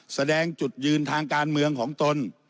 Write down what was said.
แสดงจุดยืนทางการเมืองของตน